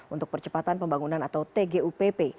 untuk percepatan pembangunan atau tgupp